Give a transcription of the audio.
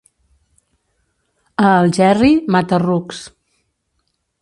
A Algerri, mata-rucs.